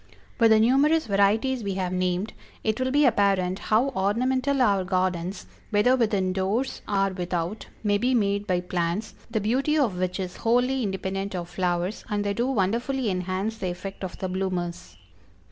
With the numerous varieties we have named, it will be apparent how ornamental our gardens, whether within doors or without, may be made by plants, the beauty of which is wholly independent of flowers, and they do wonderfully enhance the effect of the bloomers.